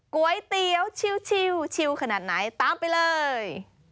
ก๋วยเตี๋ยวชิลขนาดไหนตามไปเลย